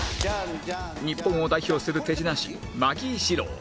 日本を代表する手品師マギー司郎